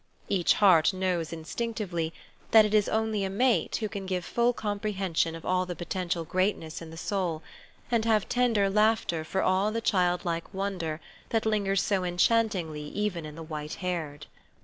Each heart knows instinctively that it is only a mate who can give full comprehension of all the potential greatness in the soul, and have tender laughter for all the child like wonder that lingers so enchantingly even in the white haired.